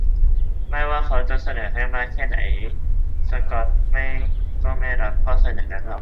ไม่ว่าเขาจะเสนอให้มากแค่ไหน สกอตก็ไม่รับข้อเสนอนั่นหรอก